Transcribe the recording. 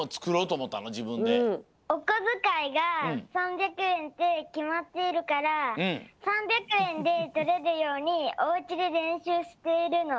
おこづかいが３００えんってきまっているから３００えんでとれるようにおうちでれんしゅうしているの。